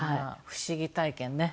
不思議体験ね。